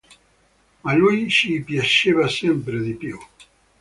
Ma lui ci piaceva sempre di più".